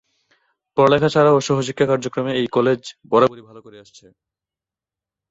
পড়ালেখা ছাড়াও সহশিক্ষা কার্যক্রমে এই কলেজ বরাবরই ভালো করে আসছে।